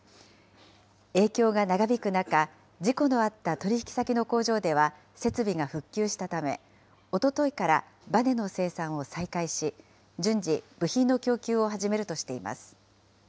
影響が長引く中、事故のあった取り引き先の工場では、設備が復旧したため、おとといからばねの生産を再開し、順次、部品の供給を始めるとしています。